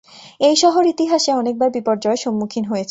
এই শহর ইতিহাসে অনেকবার বিপর্যয়ের সম্মুখীন হয়েছে।